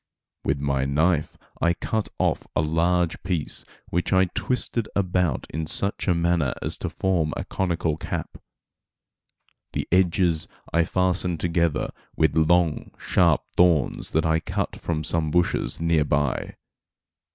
With my knife I cut off a large piece which I twisted about in such a manner as to form a conical cap. The edges I fastened together with long, sharp thorns that I cut from some bushes near by.